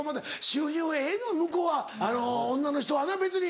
収入はええの向こうはあの女の人はね別に。